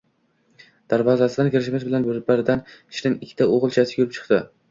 Darvozasidan kirishimiz bilan bir-biridan shirin ikkita o`g`ilchasi yugurib chiqdi